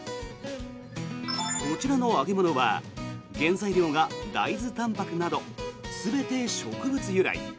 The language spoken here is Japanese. こちらの揚げ物は原材料が大豆たんぱくなど全て植物由来。